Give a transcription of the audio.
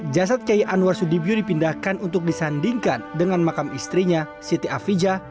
jasad kiai anwar sudibyo dipindahkan untuk disandingkan dengan makam istrinya siti afija